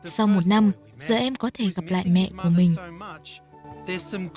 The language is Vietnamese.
sau một năm giờ em có thể gặp lại mẹ của mình